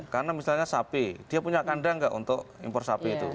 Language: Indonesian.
karena misalnya sapi dia punya kandang enggak untuk impor sapi itu